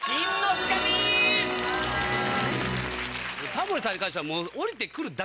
タモリさんに関しては。